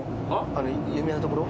あの有名なところ？